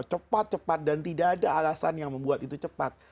cepat cepat dan tidak ada alasan yang membuat itu cepat